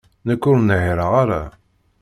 Nekk ur nhiṛeɣ ara.